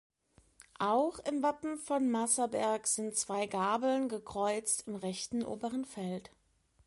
Auch im Wappen von Masserberg sind zwei Gabeln gekreuzt im rechten oberen Feld.